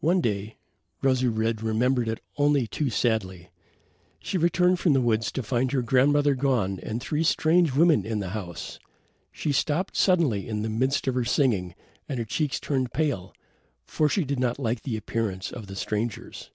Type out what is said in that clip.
One day Rosy red remembered it only too sadly she returned from the woods to find her grandmother gone and three strange women in the house. She stopped suddenly in the midst of her singing and her cheeks turned pale, for she did not like the appearance of the strangers.